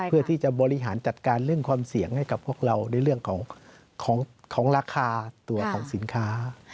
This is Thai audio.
เพื่อที่จะบริหารจัดการเรื่องความเสี่ยงให้กับพวกเราในเรื่องของราคาตัวของสินค้า